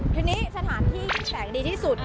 ที่นี่สถานที่แสงดีที่สุด